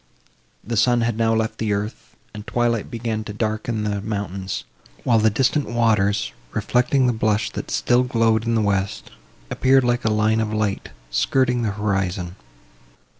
The sun had now left the earth, and twilight began to darken the mountains; while the distant waters, reflecting the blush that still glowed in the west, appeared like a line of light, skirting the horizon.